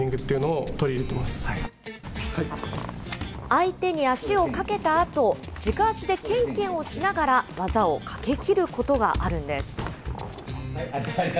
相手に足をかけたあと、軸足でけんけんをしながら技をかけきることがあるんです。